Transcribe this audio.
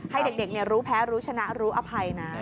ให้เด็กรู้แพ้รู้ชนะรู้อภัยนะ